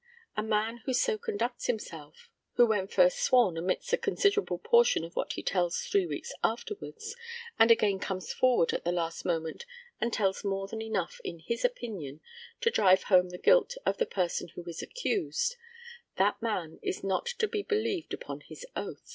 A man who so conducts himself, who when first sworn omits a considerable portion of what he tells three weeks afterwards, and again comes forward at the last moment and tells more than enough in his opinion to drive home the guilt to the person who is accused, that man is not to be believed upon his oath.